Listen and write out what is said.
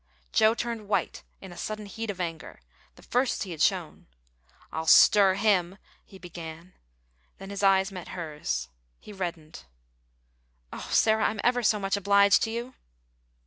Joe turned white, in a sudden heat of anger the first he had shown, "I'll stir him " he began; then his eyes met hers. He reddened. "Oh, Sarah, I'm ever so much obliged to you!"